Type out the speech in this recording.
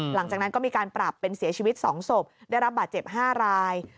หลังจากนั้นก็มีการปรับเป็นเสียชีวิต๒ศพได้รับบาดเจ็บ๕ราย